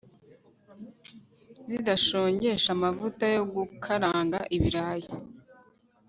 Zidashongesha amavuta yo gukaranga ibirayi